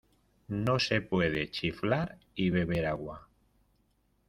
No se puede chiflar y beber agua.